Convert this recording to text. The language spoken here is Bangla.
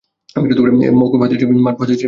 এ মওকুফ হাদীসটি মারফু হাদীসেরই অনুরূপ।